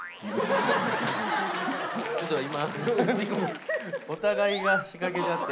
ちょっと今。